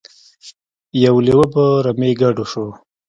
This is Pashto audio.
یو لیوه په رمې ګډ شو.